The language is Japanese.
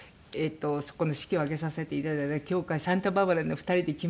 そこの式を挙げさせていただいた教会サンタバーバラに２人で行きまして。